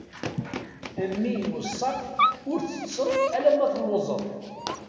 A mmi iweṣṣa-k ur tettetteḍ alemma telluẓeḍ.